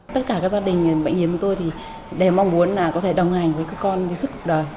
tất cả các gia đình bệnh hiếm của tôi thì đều mong muốn là có thể đồng hành với các con suốt cuộc đời